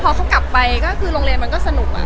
พอเขากลับไปก็คือโรงเรียนมันก็สนุก